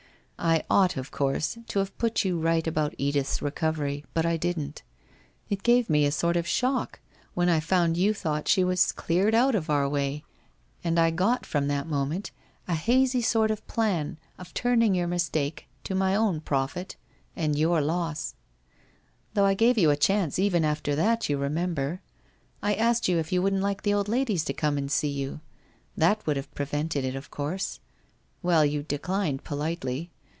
L ought, of course, to have put you right about Edith's recovery then, but I didn't. It gave me a sort of shock when 1 found vou thought she was cleared out of our 306 WHITE ROSE OF WEARY LEAF way and I got from that moment, a hazy sort of plan of turning your mistake to my own profit and your loss. Though, I gave you a chance even after that, you remem ber. I asked you if you wouldn't like the old ladies to come and see you. That would have prevented it, of course. Well, you declined politely.